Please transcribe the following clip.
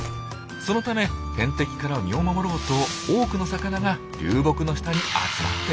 そのため天敵から身を守ろうと多くの魚が流木の下に集まっていたんです。